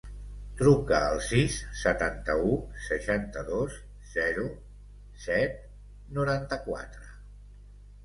Truca al sis, setanta-u, seixanta-dos, zero, set, noranta-quatre.